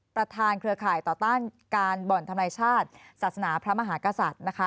เครือข่ายต่อต้านการบ่อนทำลายชาติศาสนาพระมหากษัตริย์นะคะ